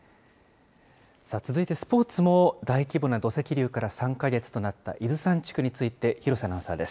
続いてスポーツも大規模な土石流から３か月となった伊豆山地区について、廣瀬アナウンサーです。